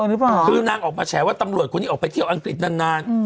หรือเปล่าคือนางออกมาแฉว่าตำรวจคนนี้ออกไปเที่ยวอังกฤษนานนาน